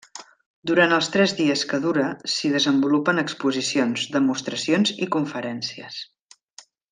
Durant els tres dies que dura s'hi desenvolupen exposicions, demostracions i conferències.